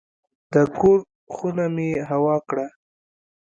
د کور خونه مې هوا کړه.